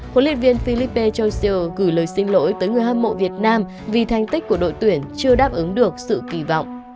huấn luyện viên philippe jocial gửi lời xin lỗi tới người hâm mộ việt nam vì thành tích của đội tuyển chưa đáp ứng được sự kỳ vọng